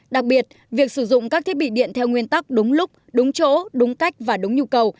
đặc biệt việc sử dụng các thiết bị điện theo nguyên tắc đúng lúc đúng chỗ đúng cách và đúng nhu cầu